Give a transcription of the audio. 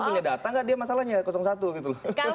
punya data nggak dia masalahnya satu gitu loh